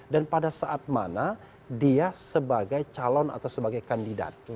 dan pada saat mana dia sebagai calon atau sebagai kandidat